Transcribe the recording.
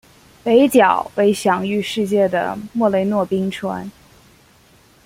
北角为享誉世界的莫雷诺冰川。